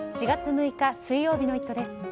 ４月６日水曜日の「イット！」です。